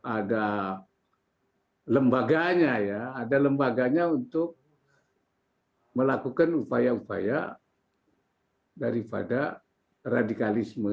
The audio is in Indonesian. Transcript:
ada lembaganya untuk melakukan upaya upaya daripada radikalisme